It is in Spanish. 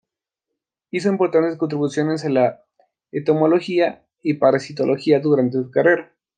Hizo importantes contribuciones a la entomología y la parasitología durante su carrera.